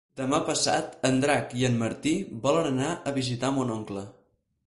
Demà passat en Drac i en Martí volen anar a visitar mon oncle.